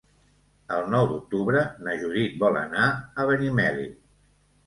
El nou d'octubre na Judit vol anar a Benimeli.